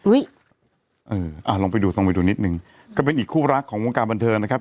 เอออ่าลองไปดูลองไปดูนิดนึงก็เป็นอีกคู่รักของวงการบันเทิงนะครับ